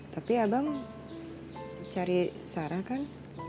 tapi abang cari sarah kan